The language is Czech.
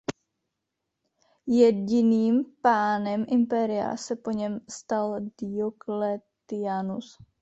Jediným pánem impéria se po něm stal Diocletianus.